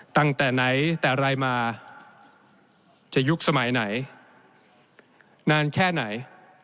ตั้งแต่ไหนแต่ไรมาจะยุคสมัยไหนนานแค่ไหน